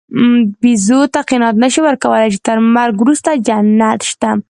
بیزو ته قناعت نهشې ورکولی، چې تر مرګ وروسته جنت شته.